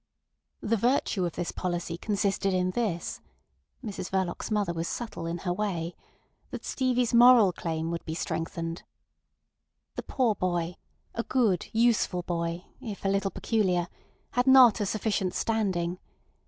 The "virtue" of this policy consisted in this (Mrs Verloc's mother was subtle in her way), that Stevie's moral claim would be strengthened. The poor boy—a good, useful boy, if a little peculiar—had not a sufficient standing.